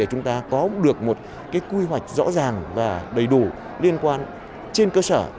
cũng được một quy hoạch rõ ràng và đầy đủ liên quan trên cơ sở